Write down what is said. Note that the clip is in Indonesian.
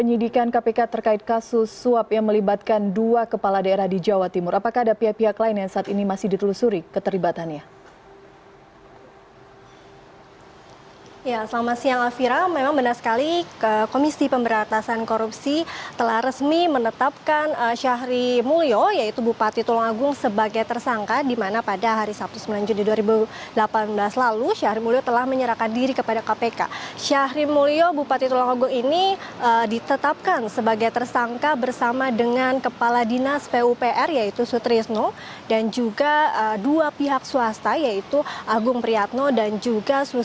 ia sebelumnya menjalankan perjalanan bersama keluarga